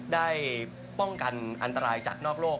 ได้ป้องกันอันตรายจากนอกโลก